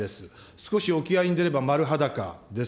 少し沖合に出れば丸裸です。